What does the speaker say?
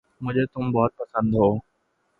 مجھے تم بہت پسند ہو